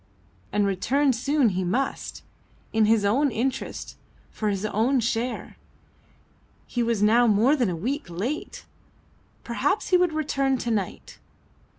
And return soon he must in his own interest, for his own share. He was now more than a week late! Perhaps he would return to night.